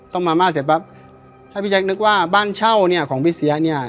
มาม่าเสร็จปั๊บถ้าพี่แจ๊คนึกว่าบ้านเช่าเนี่ยของพี่เสียเนี่ย